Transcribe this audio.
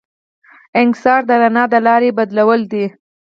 انکسار د رڼا د لارې بدلول دي.